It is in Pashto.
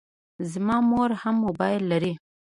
زما مور هم موبایل لري.